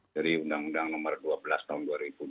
dari undang undang nomor dua belas tahun dua ribu dua puluh